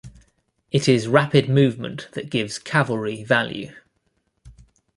It is rapid movement that gives cavalry value.